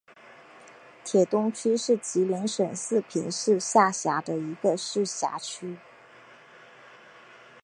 铁东区是吉林省四平市下辖的一个市辖区。